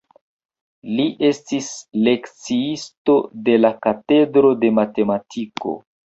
Li estis lekciisto de la katedro de matematiko.